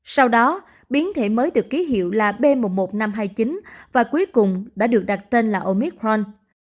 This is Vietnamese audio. sau đó biến thể mới được ký hiệu là b một một năm trăm hai mươi chín và cuối cùng đã được đặt tên là omicron